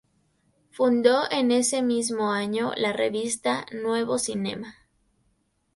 Fundó en ese mismo año la revista "Nuevo Cinema".